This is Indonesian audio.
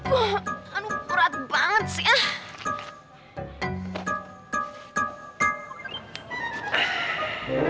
oh anu berat banget sih